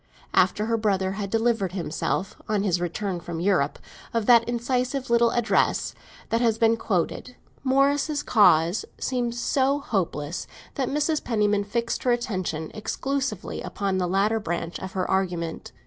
After her brother had delivered himself, on his return from Europe, of that incisive little address that has been quoted, Morris's cause seemed so hopeless that Mrs. Penniman fixed her attention exclusively upon the latter branch of her argument.